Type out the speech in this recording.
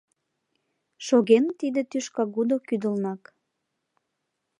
Шогеныт тиде тӱшкагудо кӱдылнак.